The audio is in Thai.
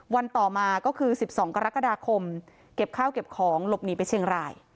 วันต่อมาก็คือ๑๒กรกฎาคมเก็บข้าวเก็บของหลบหนีไปเชียงราย